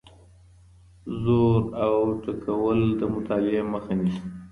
زور او ټکول د مطالعې مخه نیسي.